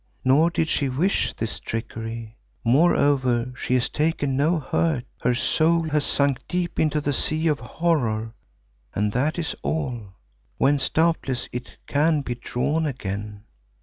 Nor did she wish this trickery. Moreover she has taken no hurt; her soul has sunk deep into a sea of horror and that is all, whence doubtless it can be drawn again.